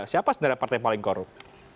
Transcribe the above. siapa sebenarnya partai yang paling korup